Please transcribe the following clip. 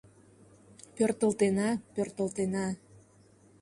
— Пӧртылтена, пӧртылтена...